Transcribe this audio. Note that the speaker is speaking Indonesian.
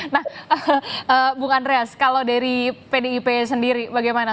nah bung andreas kalau dari pdip sendiri bagaimana